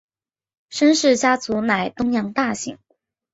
申氏家族乃东阳大姓。